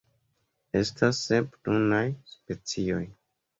Estas sep nunaj specioj.